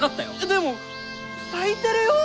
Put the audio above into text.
でも咲いてるよ！